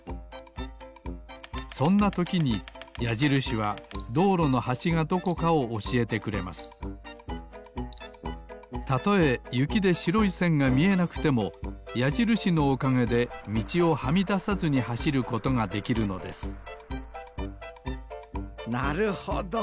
そんなときにやじるしはどうろのはしがどこかをおしえてくれますたとえゆきでしろいせんがみえなくてもやじるしのおかげでみちをはみださずにはしることができるのですなるほど。